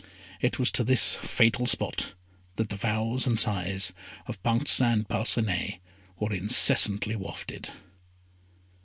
It was to this fatal spot that the vows and sighs of Parcin Parcinet were incessantly wafted.